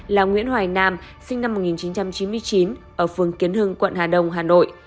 là nguyễn hoài nam sinh năm một nghìn chín trăm chín mươi chín ở phường kiến hưng quận hà đông hà nội